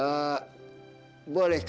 eh boleh kakek